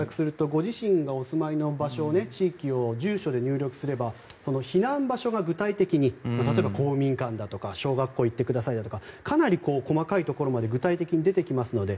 ご自身がお住まいの場所、地域を住所で入力すれば避難場所が具体的に例えば公民館だとか小学校に行ってくださいだとかかなり細かいところまで具体的に出てきますので。